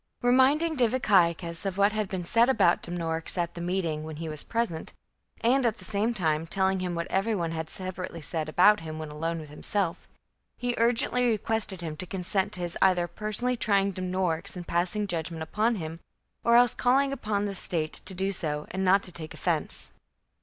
Reminding Diviciacus of what had been said about Dumnorix at the meeting, when he was present, and at the same time telling him what every one had sepa rately said about him when alone with himself, he urgently requested him to consent to his either personally trying Dumnorix and passing judge ment upon him, or else calling upon the state to do so, and not to take offence.